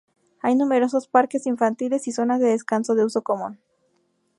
Hay numerosos parques infantiles y zonas de descanso de uso común.